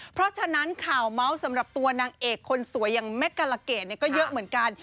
เพราะฉะนั้นข่าวเมาสำหรับตัวเนกคนสวยแม่กะละเกทก็เยอะเหมือนกัน